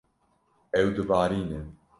Ew dibarîne.